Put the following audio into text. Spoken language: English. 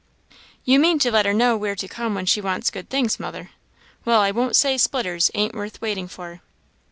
"You mean to let her know where to come when she wants good things, mother. Well, I won't say splitters ain't worth waiting for."